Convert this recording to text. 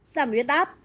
giảm huyết áp